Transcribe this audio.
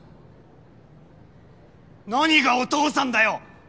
何がお父さんだよ！